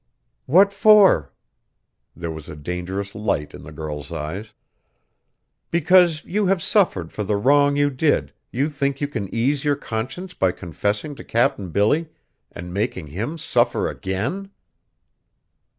"What for?" There was a dangerous light in the girl's eyes. "Because you have suffered for the wrong you did, you think you can ease your conscience by confessing to Cap'n Billy, and making him suffer again?"